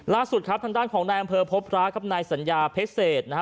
ล่าสุดครับทางด้านของนายอำเภอพบพระครับนายสัญญาเพชรเศษนะฮะ